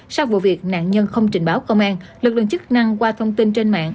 sau vụ việc nạn nhân không trình báo công an lực lượng chức năng qua thông tin trên mạng